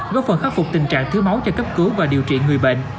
góp phần khắc phục tình trạng thiếu máu cho cấp cứu và điều trị người bệnh